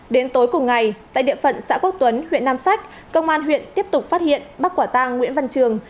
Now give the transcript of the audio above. đến tối cùng ngày tại địa phận xã quốc tuấn huyện nam sách công an huyện tiếp tục phát hiện bắt quả tang nguyễn văn trường